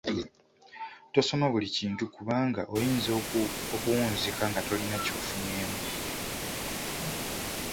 Tosoma buli kintu kubanga oyinza okuwunzika nga tolina ky'ofunyeemu.